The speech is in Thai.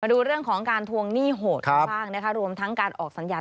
มาดูเรื่องของการทวงหนี้โหดข้างรวมทั้งการออกสัญญา